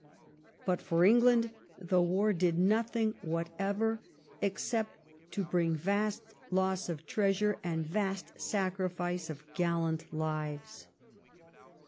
But for England the war did nothing whatever except to bring vast loss of treasure and vast sacrifice of gallant lives.